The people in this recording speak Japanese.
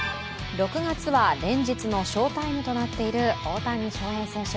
６月は連日の翔タイムとなっている大谷翔平選手。